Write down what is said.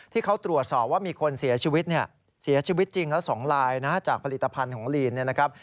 ที่เขาตรวจสอบว่ามีคนเสียชีวิตเนี่ยเสียชีวิตเสียชีวิตจริงละ๒ลายนะจากผลิตภัณฑ์ของลีนเนี่ยนะครับ